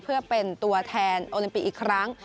เพื่อเป็นตัวแทนโอลิมปิกอีกครั้ง